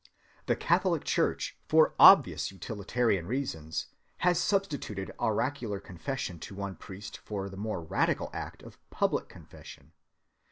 The Catholic church, for obvious utilitarian reasons, has substituted auricular confession to one priest for the more radical act of public confession.